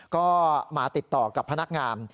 ก็มาติดต่อกับพนักงาน